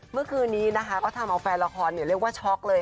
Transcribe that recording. เมื่อคืนนี้ทำเอาแฟนละครช็อคเลย